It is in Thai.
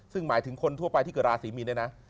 ซึ่งหมายถึงคนทั่วไปที่เกิดราศีมีนเนี่ยนะ